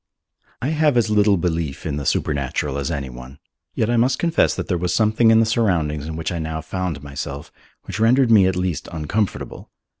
I have as little belief in the supernatural as anyone, yet I must confess that there was something in the surroundings in which I now found myself which rendered me at least uncomfortable.